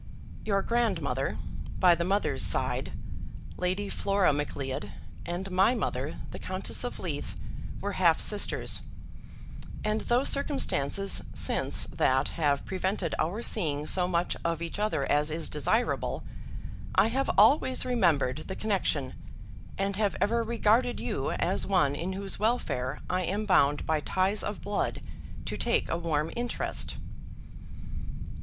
Your grandmother, by the mother's side, Lady Flora Macleod, and my mother the Countess of Leith, were half sisters; and though circumstances since that have prevented our seeing so much of each other as is desirable, I have always remembered the connection, and have ever regarded you as one in whose welfare I am bound by ties of blood to take a warm interest.